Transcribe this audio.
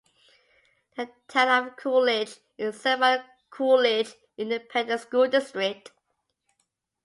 The Town of Coolidge is served by the Coolidge Independent School District.